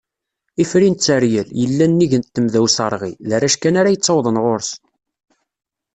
Ifri n Tteryel, yellan nnig Temda n Userɣi, d arrac kan ara yettawḍen ɣur-s.